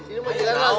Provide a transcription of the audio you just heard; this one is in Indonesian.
ini mah jangan lah